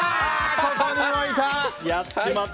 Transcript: ここにもいた！